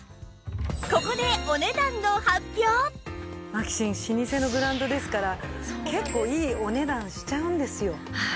ここでマキシン老舗のブランドですから結構いいお値段しちゃうんですよ。